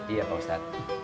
iya pak ustadz